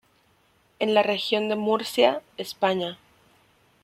En la Región de Murcia, España.